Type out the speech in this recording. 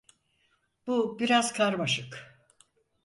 Bu biraz karmaşık.